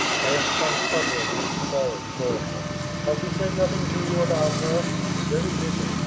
I am unutterably sorry for him. Has he said nothing to you about her?" "Very little.